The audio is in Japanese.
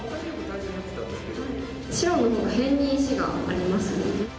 白の方が辺に石がありますね。